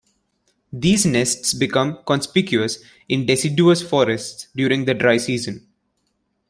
These nests become conspicuous in deciduous forests during the dry season.